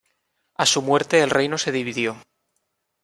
A su muerte el reino se dividió.